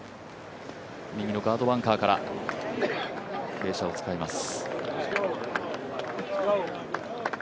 右のガードバンカーから、傾斜を使います。